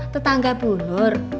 tetangga bu nur